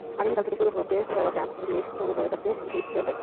আগামীকাল থেকে শুরু হতে যাওয়া ক্যাম্প দিয়েই শুরু হয়ে যাচ্ছে ডিটসের দায়িত্ব।